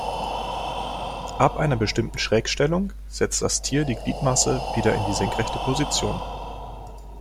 Ab einer bestimmten Schrägstellung setzt das Tier die Gliedmaße wieder in die senkrechte Position.